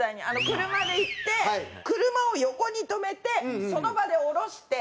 車で行って車を横に止めてその場で降ろして。